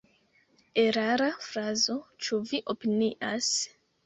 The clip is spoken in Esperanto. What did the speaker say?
Erara frazo, ĉu vi opinias?